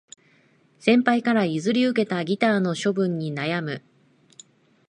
先輩から譲り受けたギターの処分に悩む